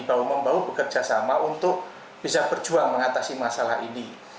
bahu membahu bekerja sama untuk bisa berjuang mengatasi masalah ini